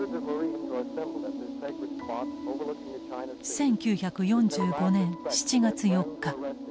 １９４５年７月４日。